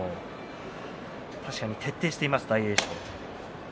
確かに徹底しています大栄翔。